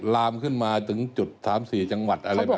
ลามขึ้นมาถึงจุด๓๔จังหวัดอะไรแบบนี้